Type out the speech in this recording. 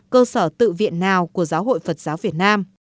cơ sở tự viện nào của giáo hội phật giáo việt nam